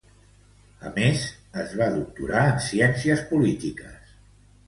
A més, es va doctorar en Ciències Polítiques.